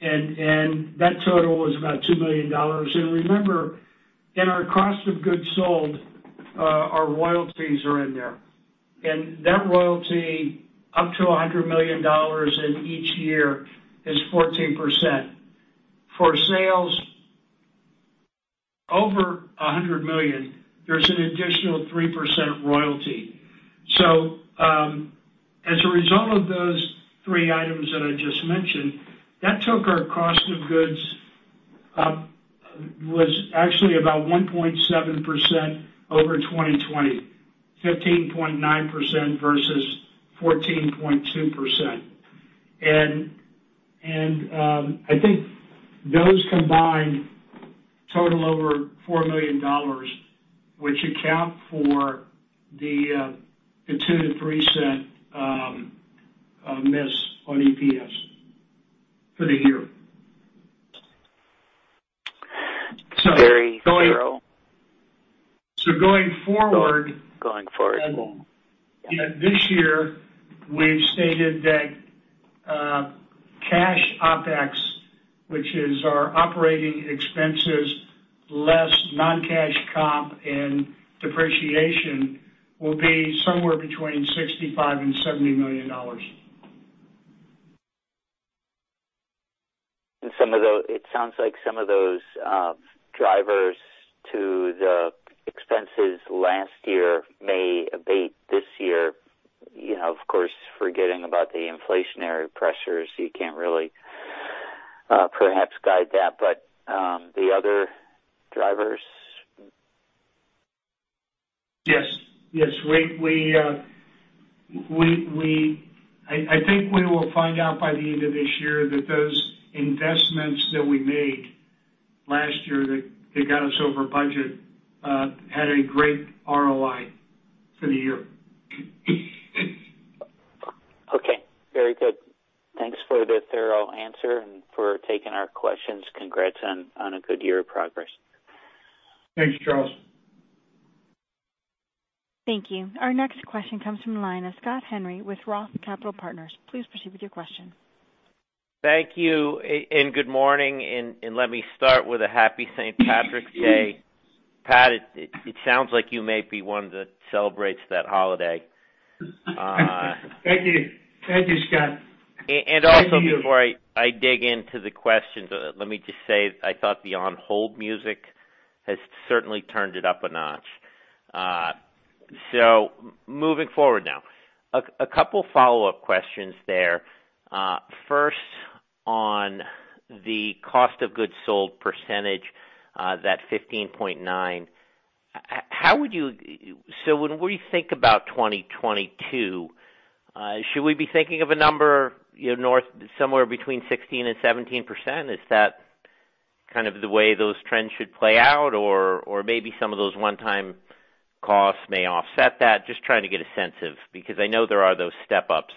That total was about $2 million. Remember, in our cost of goods sold, our royalties are in there. That royalty, up to $100 million in each year, is 14%. For sales over $100 million, there's an additional 3% royalty. As a result of those three items that I just mentioned, that took our cost of goods up, was actually about 1.7% over 2020, 15.9% versus 14.2%. I think those combined total over $4 million, which account for the two- to three-cent miss on EPS for the year. Very thorough. So going- Going forward. This year, we've stated that cash OpEx, which is our operating expenses, less non-cash comp and depreciation, will be somewhere between $65 million and $70 million. It sounds like some of those drivers to the expenses last year may abate this year. You know, of course, forgetting about the inflationary pressures, you can't really perhaps guide that, but the other drivers? Yes. Yes. I think we will find out by the end of this year that those investments that we made last year that got us over budget had a great ROI for the year. Okay. Very good. Thanks for the thorough answer and for taking our questions. Congrats on a good year of progress. Thanks, Charles. Thank you. Our next question comes from the line of Scott Henry with Roth Capital Partners. Please proceed with your question. Thank you and good morning, and let me start with a Happy St. Patrick's Day. Pat, it sounds like you may be one that celebrates that holiday. Thank you. Thank you, Scott. Before I dig into the questions, let me just say I thought the on-hold music has certainly turned it up a notch. Moving forward now. A couple follow-up questions there. First, on the cost of goods sold percentage, that 15.9, how would you... When we think about 2022, should we be thinking of a number, you know, north somewhere between 16% and 17%? Is that kind of the way those trends should play out? Or maybe some of those one-time costs may offset that? Just trying to get a sense of because I know there are those step-ups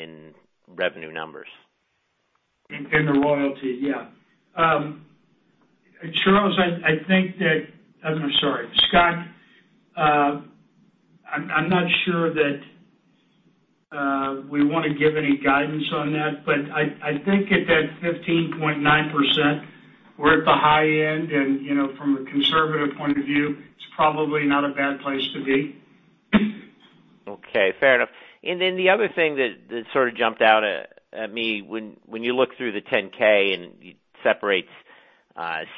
in revenue numbers. In the royalty, yeah. I'm sorry, Scott, I'm not sure that we wanna give any guidance on that. I think at that 15.9%, we're at the high end and, you know, from a conservative point of view, it's probably not a bad place to be. Okay, fair enough. The other thing that sort of jumped out at me, when you look through the 10-K and it separates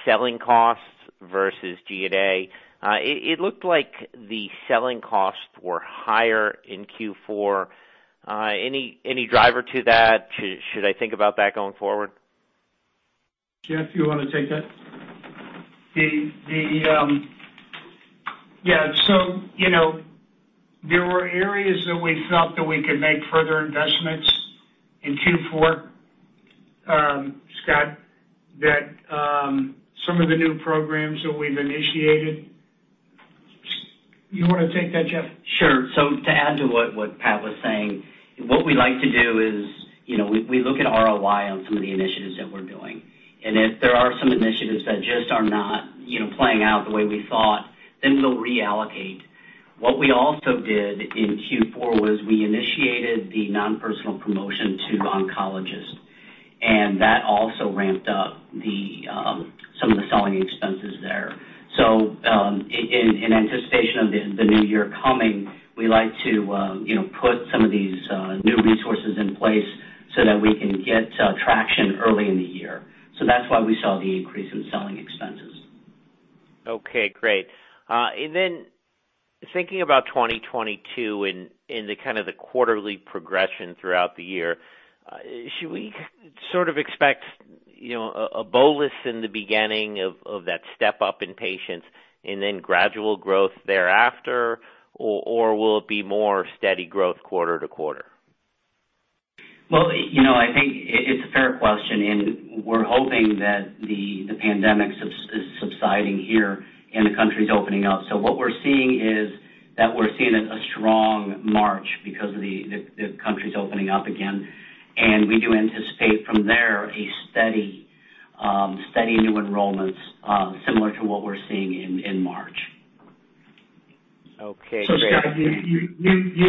selling costs versus G&A, it looked like the selling costs were higher in Q4. Any driver to that? Should I think about that going forward? Jeff, do you wanna take that? Yeah. You know, there were areas that we felt that we could make further investments in Q4, Scott, that some of the new programs that we've initiated. You wanna take that, Jeff? Sure. To add to what Pat was saying, what we like to do is, you know, we look at ROI on some of the initiatives that we're doing. If there are some initiatives that just are not, you know, playing out the way we thought, then we'll reallocate. What we also did in Q4 was we initiated the non-personal promotion to oncologists, and that also ramped up some of the selling expenses there. In anticipation of the new year coming, we like to, you know, put some of these new resources in place so that we can get traction early in the year. That's why we saw the increase in selling expenses. Okay, great. Thinking about 2022 in the kind of the quarterly progression throughout the year, should we sort of expect, you know, a bolus in the beginning of that step up in patients and then gradual growth thereafter, or will it be more steady growth quarter to quarter? Well, you know, I think it's a fair question, and we're hoping that the pandemic is subsiding here and the country's opening up. What we're seeing is that we're seeing a strong March because of the country's opening up again. We do anticipate from there a steady new enrollments similar to what we're seeing in March. Okay, great. Scott, you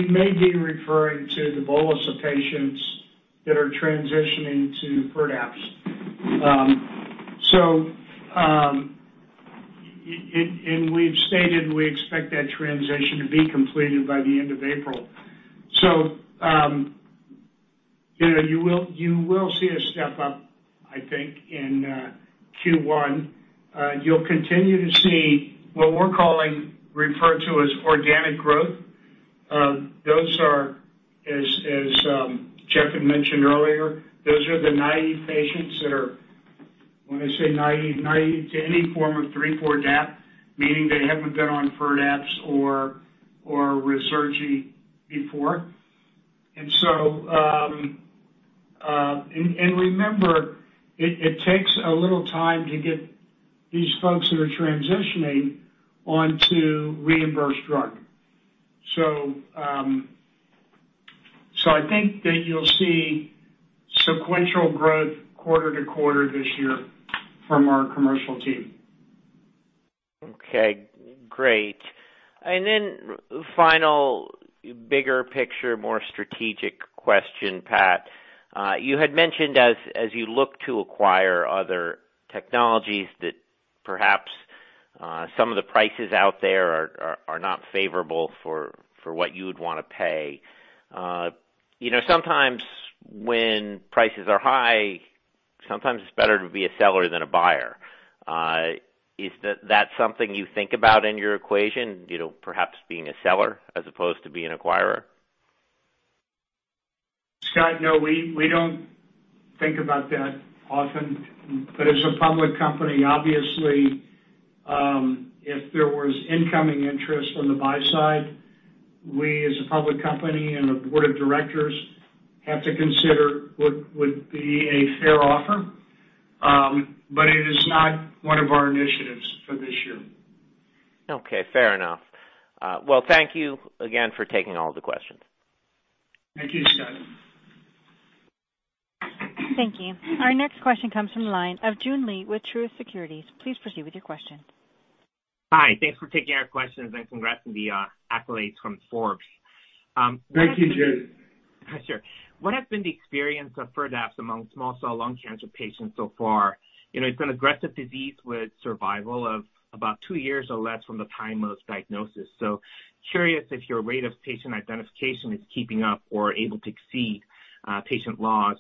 may be referring to the bolus of patients that are transitioning to Firdapse. We've stated we expect that transition to be completed by the end of April. You know, you will see a step up, I think, in Q1. You'll continue to see what we refer to as organic growth. Those are, as Jeff had mentioned earlier, the naive patients that are, when I say naive, to any form of three, four-DAP, meaning they haven't been on Firdapse or Ruzurgi before. Remember, it takes a little time to get these folks that are transitioning onto reimbursed drug. I think that you'll see sequential growth quarter to quarter this year from our commercial team. Okay, great. Final, bigger picture, more strategic question, Pat. You had mentioned as you look to acquire other technologies that perhaps some of the prices out there are not favorable for what you would wanna pay. You know, sometimes when prices are high, sometimes it's better to be a seller than a buyer. Is that something you think about in your equation, you know, perhaps being a seller as opposed to being an acquirer? Scott, no, we don't think about that often. As a public company, obviously, if there was incoming interest on the buy side, we as a public company and a board of directors have to consider what would be a fair offer. It is not one of our initiatives for this year. Okay, fair enough. Well, thank you again for taking all the questions. Thank you, Scott. Thank you. Our next question comes from the line of Joon Lee with Truist Securities. Please proceed with your question. Hi. Thanks for taking our questions and congrats on the accolades from Forbes. Thank you, Joon. Sure. What has been the experience of Firdapse among small cell lung cancer patients so far? You know, it's an aggressive disease with survival of about two years or less from the time of diagnosis. Curious if your rate of patient identification is keeping up or able to exceed patient loss.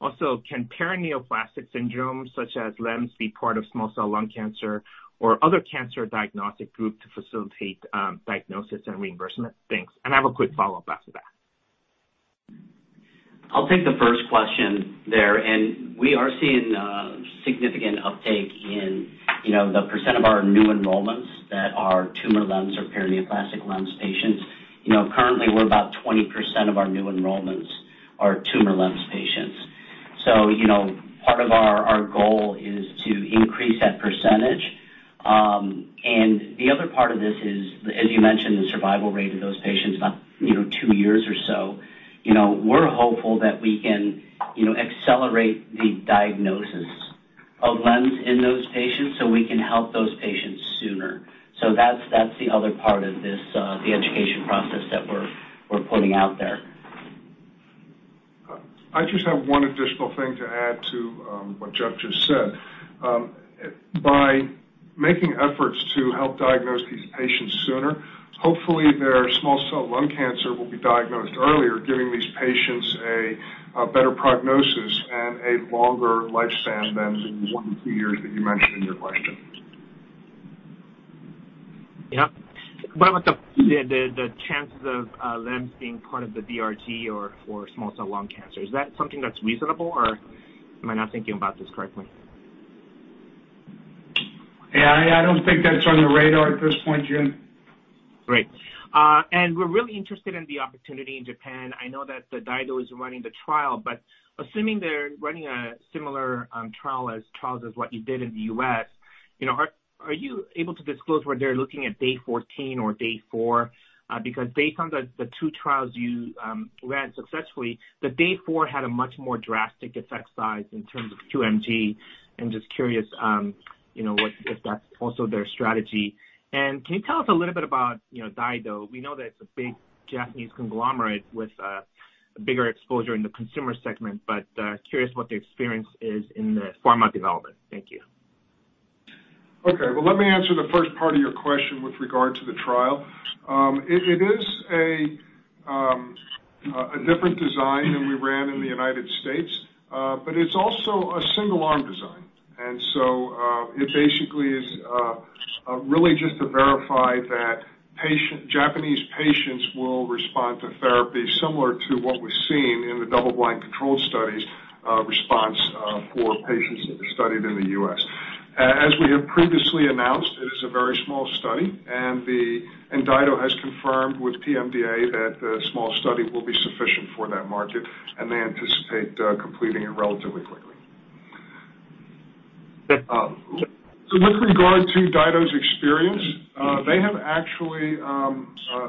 Also, can paraneoplastic syndrome such as LEMS be part of small cell lung cancer or other cancer diagnostic group to facilitate diagnosis and reimbursement? Thanks. I have a quick follow-up after that. I'll take the first question there. We are seeing significant uptake in, you know, the percent of our new enrollments that are tumor LEMS or paraneoplastic LEMS patients. You know, currently, we're about 20% of our new enrollments are tumor LEMS patients. So, you know, part of our goal is to increase that percentage. The other part of this is, as you mentioned, the survival rate of those patients, about, you know, two years or so. You know, we're hopeful that we can, you know, accelerate the diagnosis of LEMS in those patients, so we can help those patients sooner. So that's the other part of this, the education process that we're putting out there. I just have one additional thing to add to what Jeff just said. By making efforts to help diagnose these patients sooner, hopefully their small cell lung cancer will be diagnosed earlier, giving these patients a better prognosis and a longer lifespan than the one-two years that you mentioned in your question. Yeah. What about the chances of LEMS being part of the DRT or for small cell lung cancer? Is that something that's reasonable or am I not thinking about this correctly? Yeah, I don't think that's on the radar at this point, Joon. Great. We're really interested in the opportunity in Japan. I know that the Daito is running the trial, but assuming they're running a similar trial as what you did in the U.S., you know, are you able to disclose where they're looking at day 14 or day four? Because based on the two trials you ran successfully, the day four had a much more drastic effect size in terms of QMG. I'm just curious, you know, what if that's also their strategy. Can you tell us a little bit about, you know, Daito? We know that it's a big Japanese conglomerate with a bigger exposure in the consumer segment, but curious what the experience is in the pharma development. Thank you. Well, let me answer the first part of your question with regard to the trial. It is a different design than we ran in the United States, but it's also a single arm design. It basically is really just to verify that Japanese patients will respond to therapy similar to what we've seen in the double blind controlled studies, response for patients that were studied in the U.S. As we have previously announced, it is a very small study, and Daito has confirmed with PMDA that the small study will be sufficient for that market, and they anticipate completing it relatively quickly. Yeah. With regard to Daito's experience, they have actually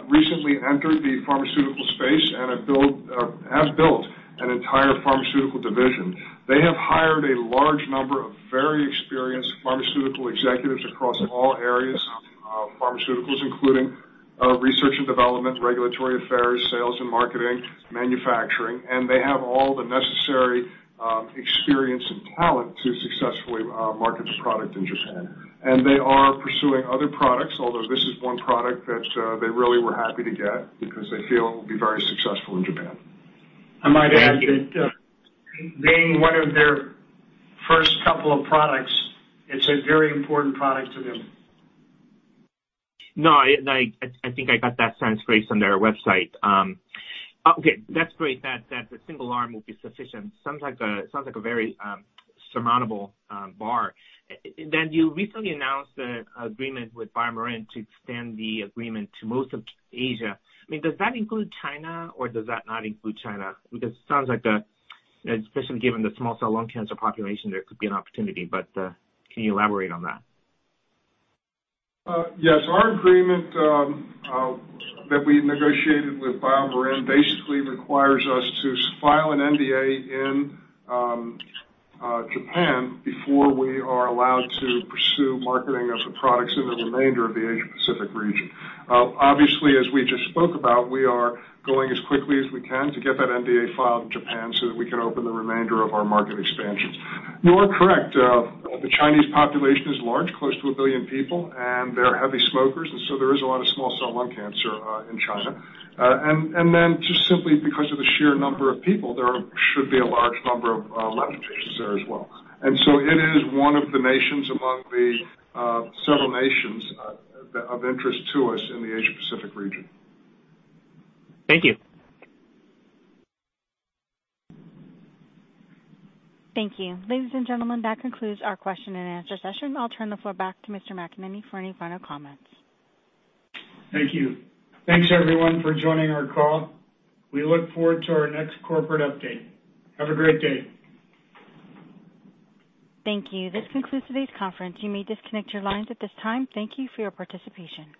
recently entered the pharmaceutical space and have built an entire pharmaceutical division. They have hired a large number of very experienced pharmaceutical executives across all areas of pharmaceuticals, including research and development, regulatory affairs, sales and marketing, manufacturing, and they have all the necessary experience and talent to successfully market the product in Japan. They are pursuing other products, although this is one product that they really were happy to get because they feel it will be very successful in Japan. I might add that, being one of their first couple of products, it's a very important product to them. No, I think I got that sense based on their website. Okay, that's great that the single arm will be sufficient. Sounds like a very surmountable bar. You recently announced the agreement with BioMarin to extend the agreement to most of Asia. I mean, does that include China or does that not include China? Because it sounds like the, especially given the small cell lung cancer population, there could be an opportunity, but can you elaborate on that? Yes. Our agreement that we negotiated with BioMarin basically requires us to file an NDA in Japan before we are allowed to pursue marketing of the products in the remainder of the Asia Pacific region. Obviously, as we just spoke about, we are going as quickly as we can to get that NDA filed in Japan so that we can open the remainder of our market expansions. You are correct, the Chinese population is large, close to a billion people, and they're heavy smokers, and so there is a lot of small cell lung cancer in China. Then just simply because of the sheer number of people, there should be a large number of LEMS patients there as well. It is one of the nations among the several nations of interest to us in the Asia-Pacific region. Thank you. Thank you. Ladies and gentlemen, that concludes our question and answer session. I'll turn the floor back to Mr. McEnany for any final comments. Thank you. Thanks everyone for joining our call. We look forward to our next corporate update. Have a great day. Thank you. This concludes today's conference. You may disconnect your lines at this time. Thank you for your participation.